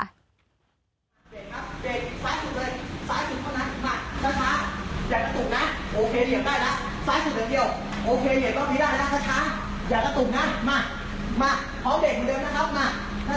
ต่อเด็กเหมือนเดิมนะครับมาถ้าช้าต่อเนื่องมาเลยครับผมมาเลย